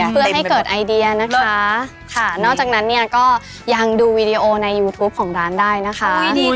เพื่อให้เกิดไอเดียนะคะค่ะนอกจากนั้นเนี่ยก็ยังดูวีดีโอในยูทูปของร้านได้นะคะ